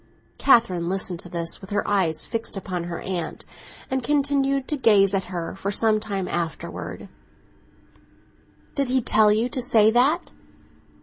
Catherine listened to this with her eyes fixed upon her aunt, and continued to gaze at her for some time afterwards. "Did he tell you to say that?"